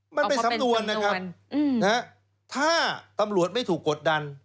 มันไม่ซ้ำนวนนะครับนะฮะถ้าตำรวจไม่ถูกกดดัน